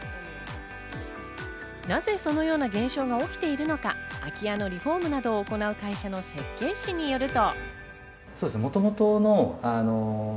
なぜそのような現象が起きているのか、空き家のリフォームなどを行う会社の設計士によると。